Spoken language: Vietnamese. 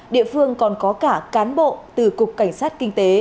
địa phương còn có cả cán bộ từ cục cảnh sát kinh tế